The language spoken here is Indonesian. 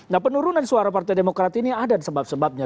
nah penurunan suara partai demokrat ini ada sebab sebabnya